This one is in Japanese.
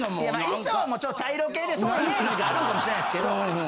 衣装も茶色系でそういうイメージがあるんかもしれないですけど。